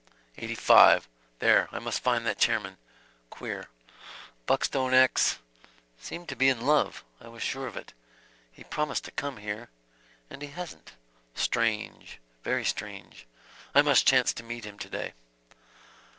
Eighty five. There. I must find that chairman. Queer. ... Buckstone acts. ... Seemed to be in love ..... I was sure of it. He promised to come here ... and he hasn't. ... Strange. Very strange .... I must chance to meet him to day."